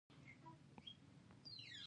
په دې جګړه کې په لویه کچه ټولوژنې ترسره شوې.